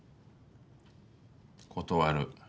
断る。